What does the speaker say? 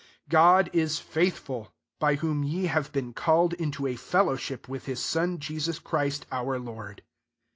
9 God ia faithful, bj whom yc have been called into a fellowship with his son Jesus Christ, our Lord.